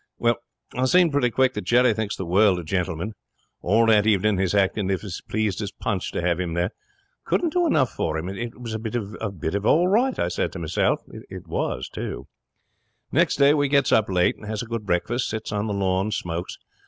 'Well, I seen pretty quick that Jerry thinks the world of Gentleman. All that evening he's acting as if he's as pleased as Punch to have him there. Couldn't do enough for him. It was a bit of all right, I said to meself. It was, too. 'Next day we gets up late and has a good breakfast, and sits on the lawn and smokes.